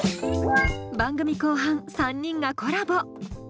番組後半３人がコラボ！